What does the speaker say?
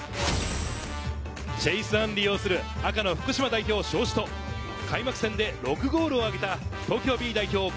チェイス・アンリ擁する赤の福島代表・尚志と開幕戦で６ゴールを挙げた東京Ｂ代表